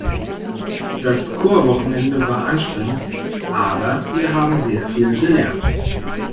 Das Chorwochenende war anstrengend, aber wir haben sehr viel gelernt.